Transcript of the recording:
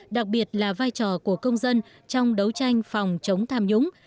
đặc biệt là vai trò của công dân trong đấu tranh phòng chống tham nhũng